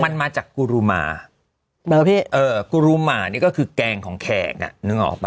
มันมาจากกูรูมากูรุมานี่ก็คือแกงของแขกอ่ะนึกออกป่